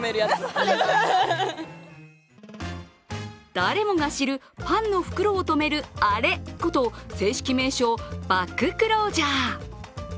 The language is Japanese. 誰もが知る、パンの袋をとめるアレこと、正式名称、バッグクロージャー。